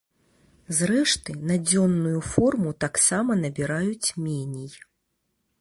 Зрэшты, на дзённую форму таксама набіраюць меней.